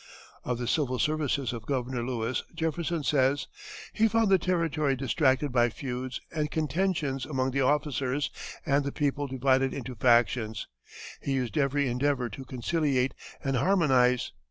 Of the civil services of Governor Lewis, Jefferson says: "He found the Territory distracted by feuds and contentions among the officers, and the people divided into factions.... He used every endeavor to conciliate and harmonize....